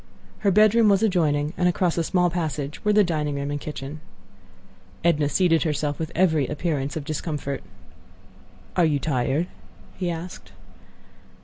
Her bedroom was adjoining, and across a small passage were the dining room and kitchen. Edna seated herself with every appearance of discomfort. "Are you tired?" he asked.